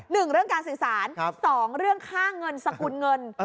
หนึ่งเรื่องการสื่อสารสองเรื่องค่าเงินสกุลเงิน